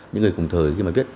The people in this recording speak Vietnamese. những người cùng thời khi mà viết